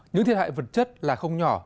những thiệt hại vật chất là không nhỏ